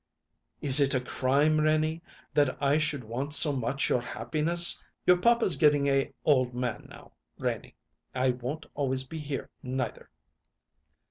"Is it a crime, Renie, that I should want so much your happiness? Your papa's getting a old man now, Renie; I won't always be here, neither."